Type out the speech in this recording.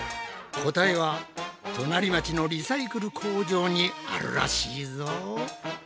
答えは隣町のリサイクル工場にあるらしいぞ。